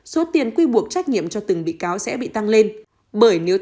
số tiền quy buộc trách nhiệm cho từng bị cáo sẽ bị tăng lên